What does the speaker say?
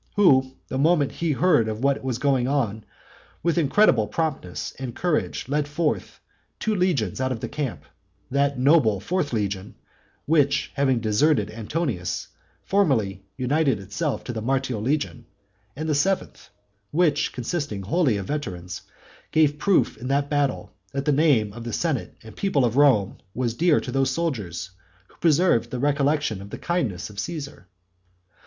who, the moment he heard of what was going on, with incredible promptness and courage led forth two legions out of the camp; that noble fourth legion, which, having deserted Antonius, formerly united itself to the martial legion; and the seventh, which, consisting wholly of veterans, gave proof in that battle that the name of the senate and people of Rome was dear to those soldiers who preserved the recollection of the kindness of Caesar.